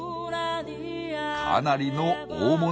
かなりの大物。